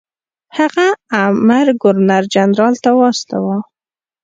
هغه امر ګورنر جنرال ته واستاوه.